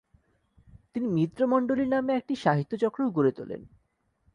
তিনি "মিত্রমণ্ডলী" নামে একটি সাহিত্য চক্রও গড়ে তোলেন।